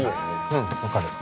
うん分かる。